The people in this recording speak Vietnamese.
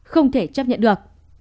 không thể chấp nhận được